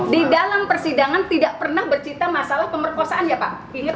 di dalam persidangan tidak pernah bercerita masalah pemerkosaan ya pak